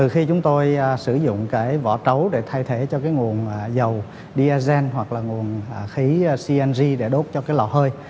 khi chúng tôi sử dụng cái vỏ trấu để thay thế cho cái nguồn dầu diesel hoặc là nguồn khí cng để đốt cho cái lò hơi